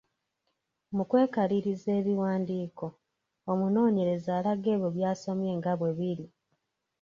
Mu kwekaliriza ebiwandiiko, omunoonyereza alaga ebyo by’asomye nga bwe biri.